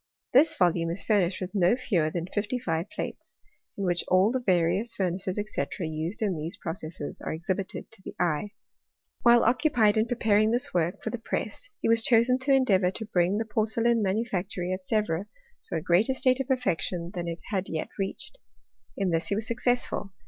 This volume is furnished with no fewer than fifty five plates, in which all the various furnaces, &c. used in these processes are exhibited to the eye. While occupied in preparing this work for the press he was chosen to endeavour to bring the porcelain ma nufactory at Sevre to a greater state of perfection than it had yet reached. In this he was successful.